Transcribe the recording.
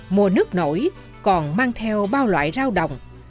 mùa nước nổi còn mang theo bao loại rau đồng